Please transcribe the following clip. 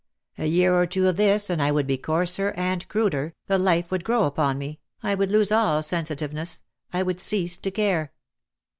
A year or two of this and I would be coarser and cruder, the life would grow upon me, I would lose all sensitiveness, I would cease to care.